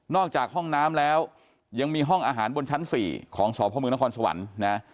อกจากห้องน้ำแล้วยังมีห้องอาหารบนชั้น๔ของสพมนครสวรรค์นะ